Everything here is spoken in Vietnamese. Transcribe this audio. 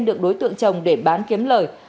đối tượng trồng để bán kiếm lời